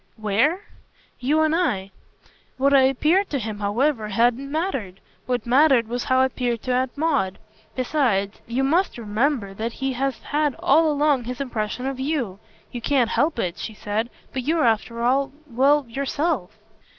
"'Where' ?" "You and I. What I appeared to him, however, hadn't mattered. What mattered was how I appeared to Aunt Maud. Besides, you must remember that he has had all along his impression of YOU. You can't help it," she said, "but you're after all well, yourself."